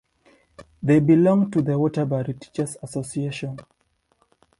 They belong to the Waterbury Teachers' Association.